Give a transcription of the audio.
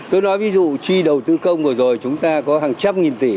tôi nói ví dụ chi đầu tư công vừa rồi chúng ta có hàng trăm nghìn tỷ